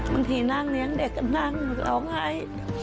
บางทีนั่งเลี้ยงเด็กก็นั่งร้องไห้